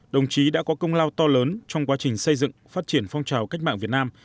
đồng chí đã có công lao to lớn trong quá trình xây dựng phát triển phong trào cách mạng việt nam